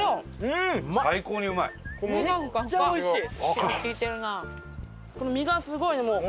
おいしい！